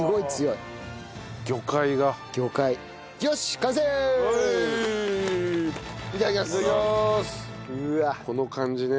いただきます。